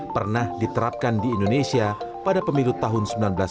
pernah diterapkan di indonesia pada pemilu tahun seribu sembilan ratus sembilan puluh